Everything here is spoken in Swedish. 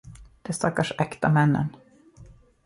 De stackars äkta männen!